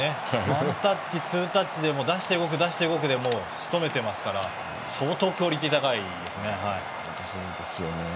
ワンタッチ、ツータッチで出して動くでしとめていますから相当クオリティー高いですね。